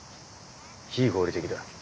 非合理的だ。